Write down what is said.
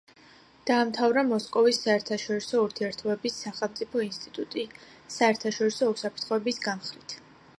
დაამთავრა მოსკოვის საერთაშორისო ურთიერთობების სახელმწიფო ინსტიტუტი საერთაშორისო უსაფრთხოების განხრით.